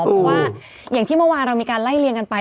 เพราะว่าอย่างที่เมื่อวานเรามีการไล่เลี่ยงกันไป